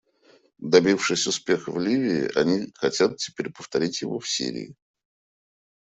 Добившись успеха в Ливии, они хотят теперь повторить его в Сирии.